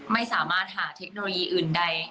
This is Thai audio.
ไม่สามารถหาเทคโนโลยีอื่นใด